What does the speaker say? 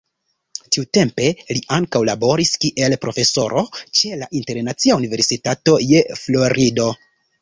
Tiutempe li ankaŭ laboris kiel profesoro ĉe la Internacia Universitato je Florido.